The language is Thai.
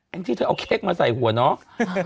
แอ้งที่เธอเอาเค้กมาใส่หัวเนอะ